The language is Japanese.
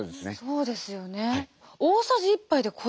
そうですよね。